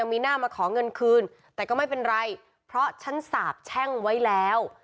มีหน้ามาขอเงินคืนแต่ก็ไม่เป็นไรเพราะฉันสาบแช่งไว้แล้ว